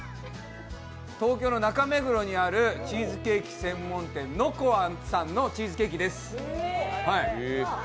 東京の中目黒にある、チーズケーキ専門店・ＮＯＣＯＡさんのチーズケーキです。